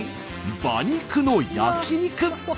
馬肉の焼き肉。